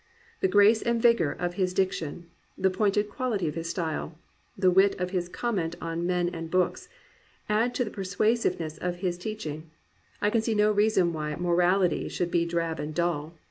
The grace and vigour of his diction, the pointed quality of his style, the wit of his comment on men and books, add to the persuasiveness of his teach ing. I can see no reason why morality should be drab and dull.